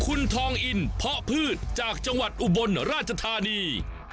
คุณทองอินเพาะพืชจากจังหวัดอุบลราชธานี